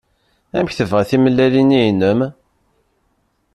Amek tebɣiḍ timellalin-nni-inem?